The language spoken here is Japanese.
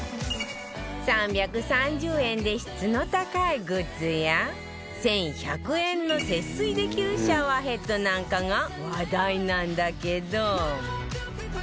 ３３０円で質の高いグッズや１１００円の節水できるシャワーヘッドなんかが話題なんだけど